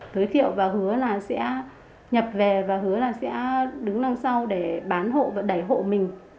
giới thiệu và hứa là sẽ nhập về và hứa là sẽ đứng lần sau để bán hộ và đẩy hộ mình